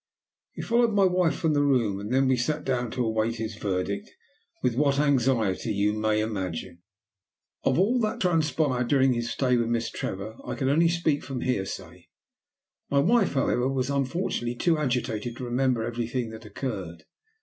He followed my wife from the room, and then we sat down to await his verdict, with what anxiety you may imagine. [Illustration: "He laid his hand upon her forehead."] Of all that transpired during his stay with Miss Trevor I can only speak from hearsay. My wife, however, was unfortunately too agitated to remember everything that occurred.